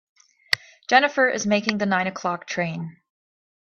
Jennifer is making the nine o'clock train.